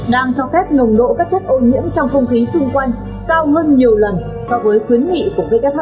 đang cho phép nồng độ các chất ô nhiễm trong không khí xung quanh cao hơn nhiều lần so với khuyến nghị của wh